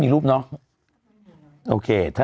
มีรูปเนาะ